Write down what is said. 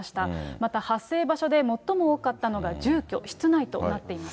また発生場所で最も多かったのが住居、室内となっています。